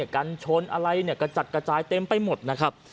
การช้นอะไรกระจัดกระจายเต็มไปหมดนะครับ